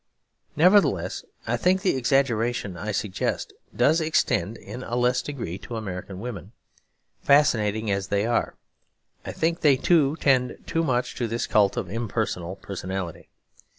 Nevertheless, I think the exaggeration I suggest does extend in a less degree to American women, fascinating as they are. I think they too tend too much to this cult of impersonal personality.